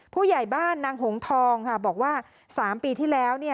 ผู้ใหญ่บ้านนางหงทองบอกว่า๓ปีที่แล้ว